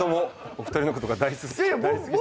お二人のことが大好き過ぎて。